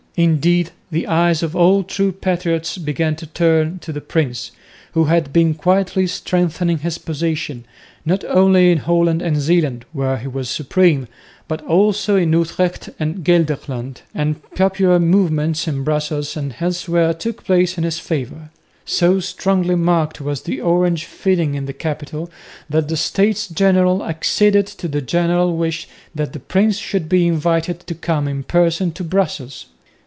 Indeed the eyes of all true patriots began to turn to the prince, who had been quietly strengthening his position, not only in Holland and Zeeland, where he was supreme, but also in Utrecht and Gelderland; and popular movements in Brussels and elsewhere took place in his favour. So strongly marked was the Orange feeling in the capital that the States General acceded to the general wish that the prince should be invited to come in person to Brussels.